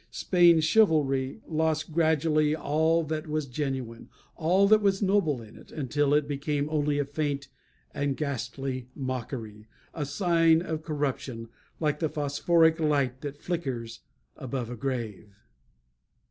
Spain's chivalry lost gradually all that was genuine, all that was noble in it; until it became only a faint and ghastly mockery, a sign of corruption, like the phosphoric light that flickers above the grave.